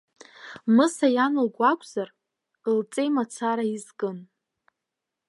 Мыса иан лгәы акәзар, лҵеи мацара изкын.